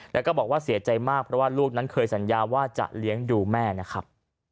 แล้วก็บอกว่าเสียใจมากเพราะว่าลูกนั้นเคยสัญญาว่าจะเลี้ยงดูแม่นะครับ